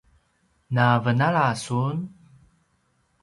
na venala sun?